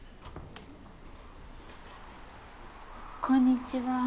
こんにちは。